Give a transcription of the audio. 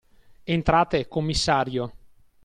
Entrate, commissario.